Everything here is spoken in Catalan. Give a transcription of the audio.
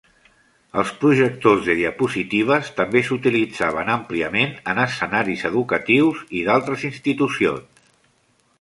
Els projectors de diapositives també s'utilitzaven àmpliament en escenaris educatius i d'altres institucions.